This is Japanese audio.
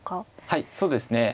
はいそうですね。